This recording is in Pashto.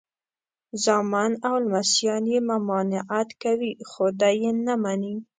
زامن او لمسیان یې ممانعت کوي خو دی یې نه مني.